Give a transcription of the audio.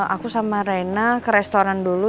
aku sama raina ke restoran dulu